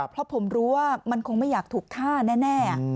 เพราะผมรู้ว่ามันคงไม่อยากถูกฆ่าแน่